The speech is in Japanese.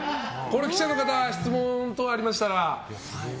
記者の方、質問等ありましたら。